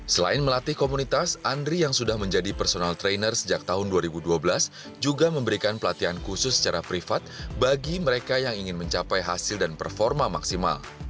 selain melatih komunitas andri yang sudah menjadi personal trainer sejak tahun dua ribu dua belas juga memberikan pelatihan khusus secara privat bagi mereka yang ingin mencapai hasil dan performa maksimal